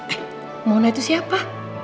eh mona itu siapa